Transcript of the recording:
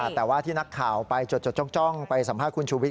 แต่ว่าที่นักข่าวไปจดจ้องไปสัมภาษณ์คุณชูวิท